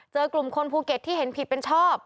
เจอกลุ่มคนภูเก็ตที่เห็นผิดเป็นชอบ